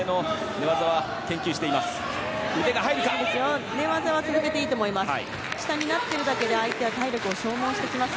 寝技は続けていいと思います。